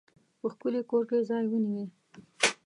په ښکلي کور کې ځای ونیوی.